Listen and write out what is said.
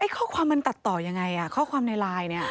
ข้อความมันตัดต่อยังไงข้อความในไลน์เนี่ย